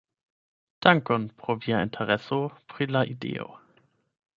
Dankon pro via intereso pri la ideo!